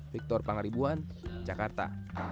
victor pangaribuan jakarta